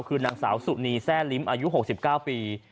คือนางสาวสุนีแซ่ลิ้มอายุ๖๙ปี